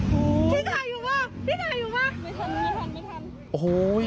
พี่ถ่ายอยู่มั้ย